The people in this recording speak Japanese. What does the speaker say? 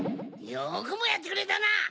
よくもやってくれたな！